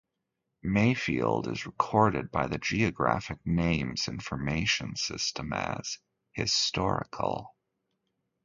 Mayfield is recorded by the Geographic Names Information System as "historical".